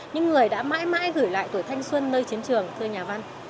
những người đã mãi mãi gửi lại tuổi thanh xuân nơi chiến trường thưa nhà văn